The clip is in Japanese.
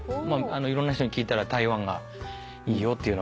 いろんな人に聞いたら台湾がいいよっていうようなことで。